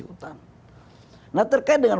hutan nah terkait dengan